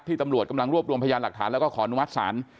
ตำรวจกำลังรวบรวมพยานหลักฐานแล้วก็ขออนุมัติศาล